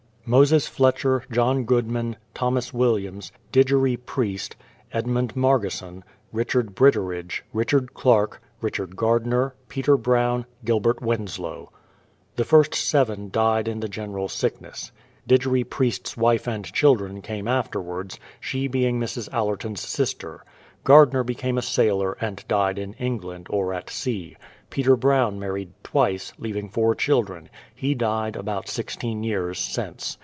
MOSES FLETCHER; JOHN GOODMAN; THOMAS WIL LIAMS; DIGERIE PRIEST; EDMUND MARGESON; RICHARD BRITTERIDGE; RICHARD CLARK; RICH ARD GARDNER; PETER BROWN; GILBERT WINSLOW. The first seven died in the general sickness. Digerie Priest's wife and children came afterwards, she being Mrs. Allerton's sister. Gardner became a sailor, and died in England, or at sea. Peter Brown married twice, leaving four children ; he died about sixteen years since.